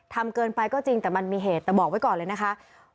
ทำเกินไปก็จริงแต่มันมีเหตุแต่บอกไว้ก่อนเลยนะคะ